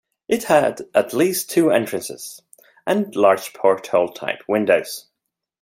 It had at least two entrances, and large porthole-type windows.